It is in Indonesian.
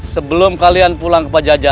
sebagai seorang raja